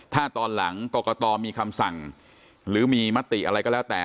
ถ้าตอนหลังกรกตมีคำสั่งหรือมีมติอะไรก็แล้วแต่